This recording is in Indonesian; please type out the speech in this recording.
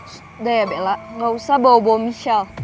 sudah ya bella gak usah bawa bawa michelle